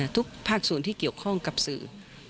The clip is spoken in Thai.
ทุกภาคส่วนที่เกี่ยวข้องกับสื่อ